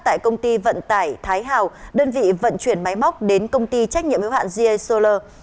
tại công ty vận tải thái hào đơn vị vận chuyển máy móc đến công ty trách nhiệm hữu hạn g a solar